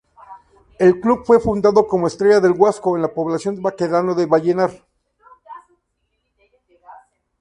El club fue fundado como Estrella del Huasco, en la población Baquedano de Vallenar.